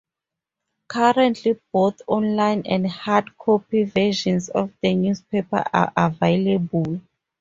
Currently both online and hard-copy versions of the newspaper are available.